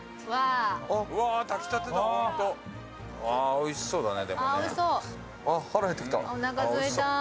おいしそうだね。